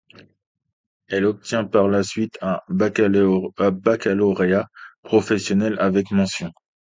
Elle obtient par la suite un baccalauréat professionnel avec mention.